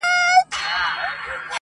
چي پیدا به یو زمری پر پښتونخوا سي٫